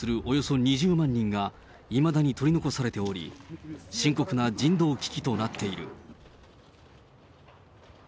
およそ２０万人が、いまだに取り残されており、深刻な人道危機となっている。